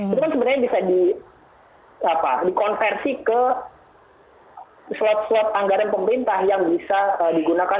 itu kan sebenarnya bisa dikonversi ke slot slot anggaran pemerintah yang bisa digunakan